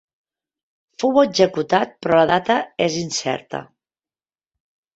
Fou executat però la data és incerta.